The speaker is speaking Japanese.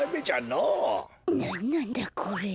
なんなんだこれ。